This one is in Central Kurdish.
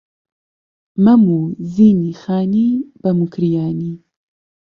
مەم و زینی خانی بە موکریانی